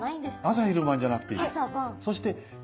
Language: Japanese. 朝昼晩じゃなくていいです。